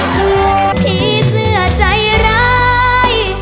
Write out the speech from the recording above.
มีสดใจร้าย